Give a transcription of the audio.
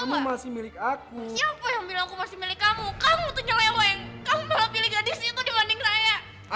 kamu malah pilih gadis itu dibanding saya